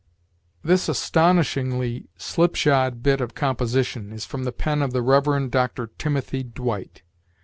This astonishingly slipshod bit of composition is from the pen of the Rev. Dr. Timothy Dwight.